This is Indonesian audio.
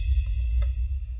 lebih baik baru tikin